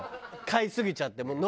買いすぎちゃってもう。